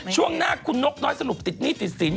ช่วงหน้าคุณนกน้อยสรุปติดหนี้ติดสิน